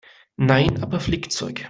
Nein, aber Flickzeug.